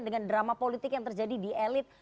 dengan drama politik yang terjadi di elit